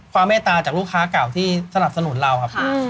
เมตตาจากลูกค้าเก่าที่สนับสนุนเราครับ